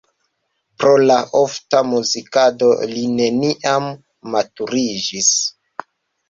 Pro la ofta muzikado li neniam maturiĝis.